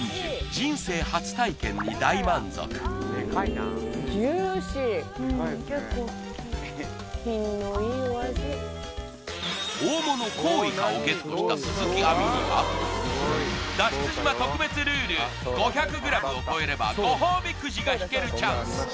人生初体験に大満足大物コウイカをＧＥＴした鈴木亜美には脱出島特別ルール５００ｇを超えればご褒美くじが引けるチャンス